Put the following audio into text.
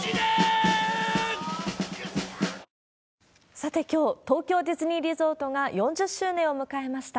さて、きょう、東京ディズニーリゾートが４０周年を迎えました。